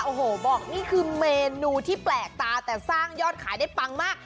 โอ้โหบอกนี่คือเมนูที่แปลกตาแต่สร้างยอดขายได้ปังมาก